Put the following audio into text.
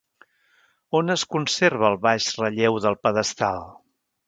On es conserva el baix relleu del pedestal?